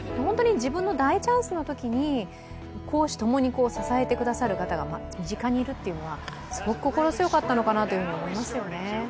自分の大チャンスのときに公私共に支えてくださる方が身近にいるというのはすごく心強かったのかなと思いますね。